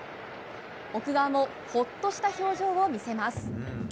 奥川もほっとした表情を見せます。